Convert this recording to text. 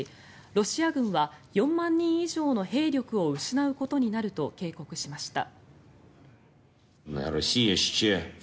ロシア軍は４万人以上の兵力を失うことになると警告しました。